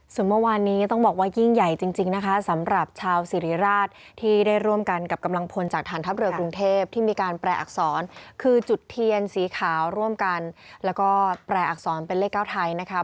ส่วนเมื่อวานนี้ต้องบอกว่ายิ่งใหญ่จริงนะคะสำหรับชาวสิริราชที่ได้ร่วมกันกับกำลังพลจากฐานทัพเรือกรุงเทพที่มีการแปลอักษรคือจุดเทียนสีขาวร่วมกันแล้วก็แปลอักษรเป็นเลขเก้าไทยนะคะ